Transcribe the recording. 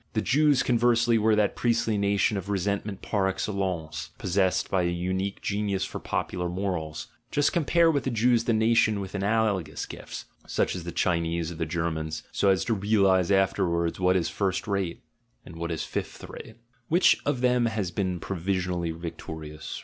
The Jews, conversely, were that priestly nation of resentment par excellence, possessed by a unique genius for popular morals: just compare with the Jews the nations with analogous gifts, such as the Chinese or the Germans, so as to realise afterwards what is first rate, and what is fifth rate. Which of them has been provisionally victorious.